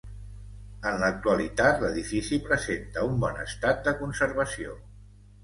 En l'actualitat l'edifici presenta un bon estat de conservació.